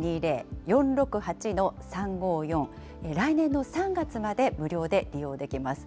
０１２０ー４６８ー３５４、来年の３月まで無料で利用できます。